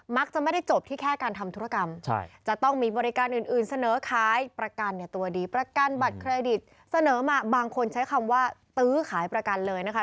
จะไม่ได้จบที่แค่การทำธุรกรรมจะต้องมีบริการอื่นเสนอขายประกันเนี่ยตัวดีประกันบัตรเครดิตเสนอมาบางคนใช้คำว่าตื้อขายประกันเลยนะคะ